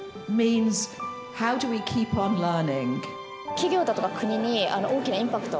企業だとか国に大きなインパクトを与えている。